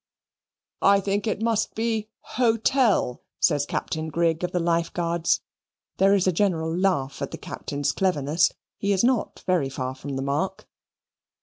"I think it must be 'Hotel,'" says Captain Grigg of the Life Guards; there is a general laugh at the Captain's cleverness. He is not very far from the mark.